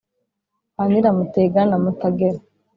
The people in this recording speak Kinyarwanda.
Kwa Nyiramutega na Mutagera